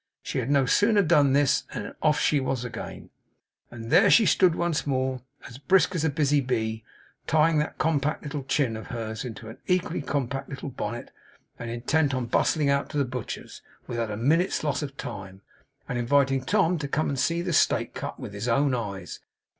She had no sooner done this, than off she was again; and there she stood once more, as brisk and busy as a bee, tying that compact little chin of hers into an equally compact little bonnet; intent on bustling out to the butcher's, without a minute's loss of time; and inviting Tom to come and see the steak cut, with his own eyes.